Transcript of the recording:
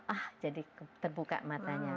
ah jadi terbuka matanya